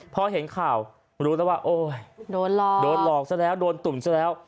พอเห็นข่าวรู้แล้วว่าโอ้ยโดนหลอกโดนหลอกซะแล้วโดนตุ่มซะแล้ว